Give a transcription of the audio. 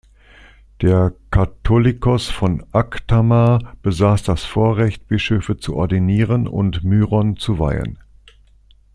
Der Katholikos von Aghtamar besaß das Vorrecht, Bischöfe zu ordinieren und Myron zu weihen.